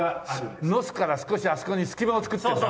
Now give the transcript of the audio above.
のすから少しあそこに隙間を作ってるんだな。